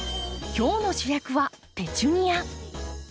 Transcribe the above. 今日の主役はペチュニア。